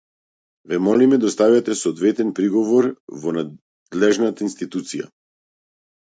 Ве молиме доставете соодветен приговор во надлежната институција.